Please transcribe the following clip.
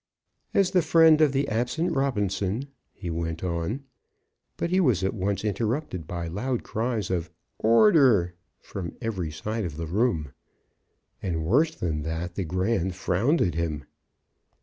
"As the friend of the absent Robinson " he went on; but he was at once interrupted by loud cries of "order" from every side of the Room. And, worse than that, the Grand frowned at him.